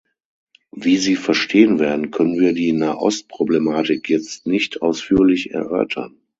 Wie Sie verstehen werden, können wir die Nahost-Problematik jetzt nicht ausführlich erörtern.